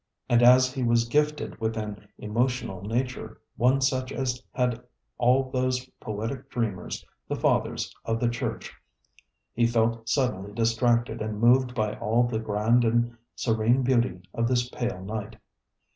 And, as he was gifted with an emotional nature, one such as had all those poetic dreamers, the Fathers of the Church, he felt suddenly distracted and moved by all the grand and serene beauty of this pale night.